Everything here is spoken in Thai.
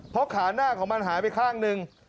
เพราะขาหน้าของมันหายไปข้างหนึ่ง